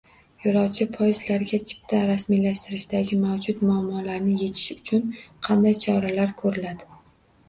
Yo‘lovchi poyezdlarga chipta rasmiylashtirishdagi mavjud muammolarni yechish uchun qanday choralar ko‘riladi?